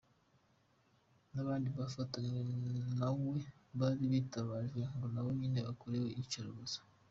N’abandi bafatanywe nwe bari bitabarijwe ko nabo nyine bakorewe iyicwa rubozo.